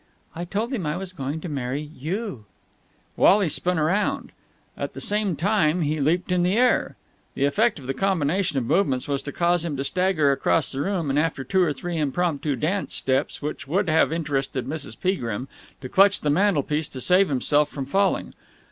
"I told him I was going to marry you!" Wally spun round. At the same time he leaped in the air. The effect of the combination of movements was to cause him to stagger across the room and, after two or three impromptu dance steps which would have interested Mrs. Peagrim, to clutch at the mantelpiece to save himself from falling.